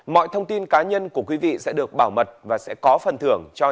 mọi thông tin cá nhân của quý vị sẽ được bảo mật và sẽ có phần thưởng cho những đối tượng